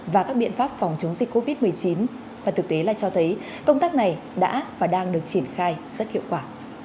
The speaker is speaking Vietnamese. và các biện pháp phòng chống dịch covid một mươi chín và thực tế là cho thấy công tác này đã và đang được triển khai rất hiệu quả